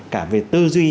cả về tư duy